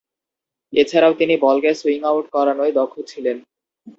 এছাড়াও তিনি বলকে সুইং আউট করানোয় দক্ষ ছিলেন।